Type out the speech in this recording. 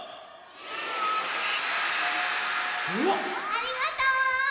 ありがとう！